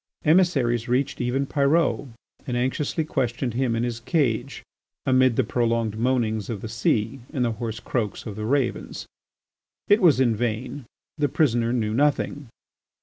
Emissaries reached even Pyrot and anxiously questioned him in his cage amid the prolonged moanings of the sea and the hoarse croaks of the ravens. It was in vain; the prisoner knew nothing.